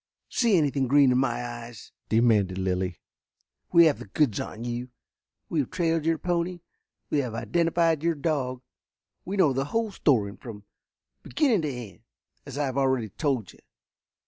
"See anything green in my eyes?" demanded Lilly. "We have the goods on you. We have trailed your pony, we have identified your dog, we know the whole story from beginning to end, as I have already told you.